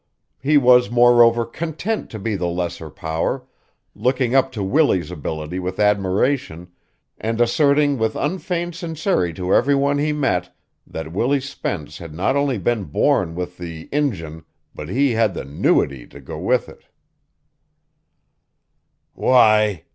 He was, moreover, content to be the lesser power, looking up to Willie's ability with admiration and asserting with unfeigned sincerity to every one he met that Willie Spence had not only been born with the injun but he had the newity to go with it.